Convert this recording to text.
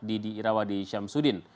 didi irawadi syamsuddin